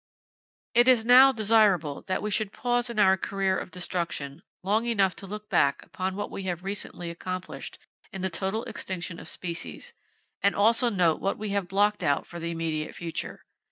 It is now desirable that we should pause in our career of destruction long enough to look back upon what we have recently accomplished in the total extinction of species, and also note what we have blocked out for the immediate future.